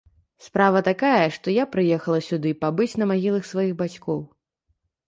Справа такая, што я прыехала сюды пабыць на магілах сваіх бацькоў.